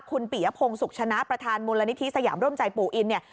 คุณปียพงศ์สุขชนะประธานมูลนิธิสยามร่วมใจปู่อินเนี่ย